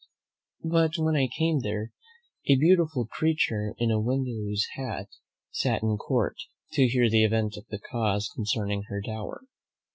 But when I came there, a beautiful creature in a widow's habit sat in court, to hear the event of a cause concerning her dower.